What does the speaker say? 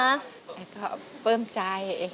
อันนี้ก็เพิ่มใจ